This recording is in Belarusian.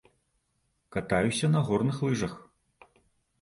Катаюся на горных лыжах.